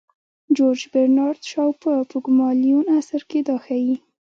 جورج برنارد شاو په پوګمالیون اثر کې دا ښيي.